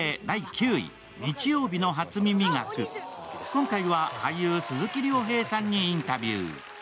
今回は俳優・鈴木亮平さんにインタビュー。